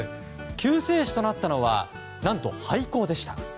救世主となったのは何と廃校でした。